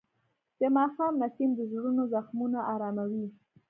د ماښام نسیم د زړونو زخمونه آراموي.